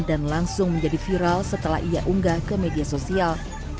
dan langsung menjadi viral setelah ia unggah ke media sosial